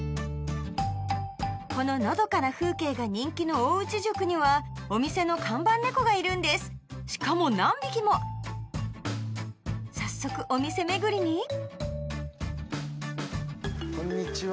こののどかな風景が人気の大内宿にはお店の看板猫がいるんですしかも何匹も早速お店巡りにこんにちは。